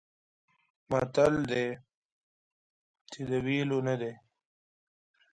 متل دی: تربور د خوټونه ونیسه خولرې یې کړه.